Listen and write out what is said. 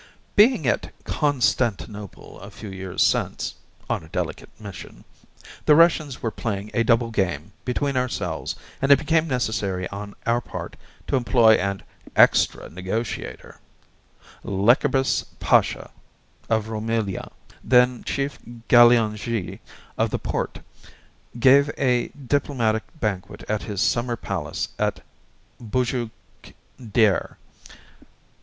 Being at Constantinople a few years since (on a delicate mission), the Russians were playing a double game, between ourselves, and it became necessary on our part to employ an EXTRA NEGOTIATOR Leckerbiss Pasha of Roumelia, then Chief Galeongee of the Porte, gave a diplomatic banquet at his summer palace at Bujukdere.